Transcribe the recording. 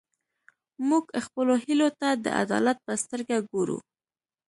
موږ خپلو هیلو ته د عدالت په سترګه ګورو.